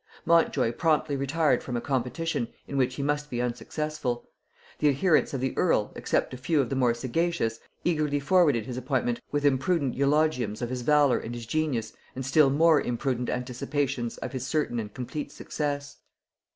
Montjoy promptly retired from a competition in which he must be unsuccessful; the adherents of the earl, except a few of the more sagacious, eagerly forwarded his appointment with imprudent eulogiums of his valor and his genius and still more imprudent anticipations of his certain and complete success.